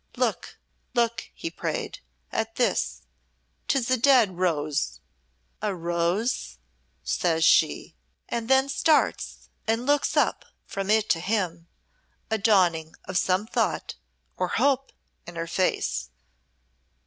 "Look look," he prayed, "at this. Tis a dead rose." "A rose!" says she, and then starts and looks up from it to him, a dawning of some thought or hope in her face.